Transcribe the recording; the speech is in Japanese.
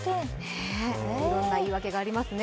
いろんな言い分けがありますよね。